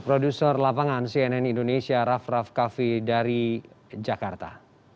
produser lapangan cnn indonesia raff raff kaffi dari jakarta